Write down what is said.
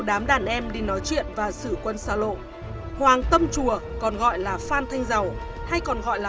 đám đàn em đi nói chuyện và sử quân xa lộ hoàng tâm chùa còn gọi là phan thanh dầu hay còn gọi là